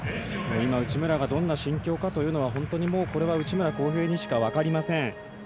今、内村がどんな心境かというのは本当にもうこれは内村航平にしか分かりません。